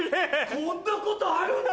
こんなことあるんだ！